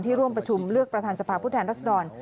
ที่ร่วมประชุมเลือกประธานสภาพุทธแห่งรัศดร